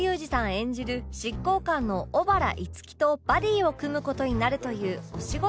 演じる執行官の小原樹とバディを組む事になるというお仕事